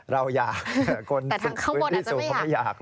เราอยากคนค่อยที่สูงอาจจะไม่อยาก